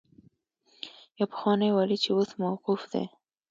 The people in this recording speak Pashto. يو پخوانی والي چې اوس موقوف دی.